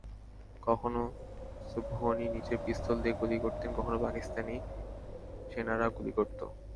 কখনো সুবহান নিজের পিস্তল দিয়ে গুলি করতেন, কখনো পাকিস্তানি সেনারা গুলি করত।